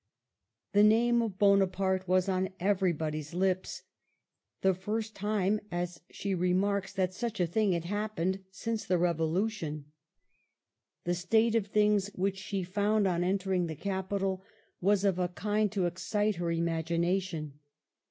The name of " Bonaparte " was on everybody's lips — the first time, as she remarks, that such a thing had happened since the Revolution. The Digitized by VjOOQLC MEETS NAPOLEON. 101 state of things which she found on entering the capital was of a kind to excite her imagination.